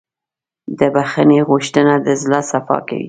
د بښنې غوښتنه د زړه صفا کوي.